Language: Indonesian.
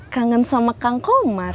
kangen sama kang komar